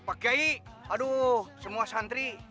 pak kiai aduh semua santri